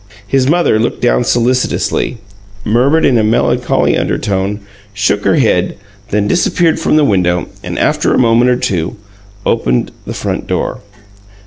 His mother looked down solicitously, murmured in a melancholy undertone, shook her head; then disappeared from the window, and, after a moment or two, opened the front door.